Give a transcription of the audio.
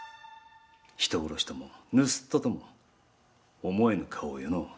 人殺しとも盗人とも思えぬ顔よのう。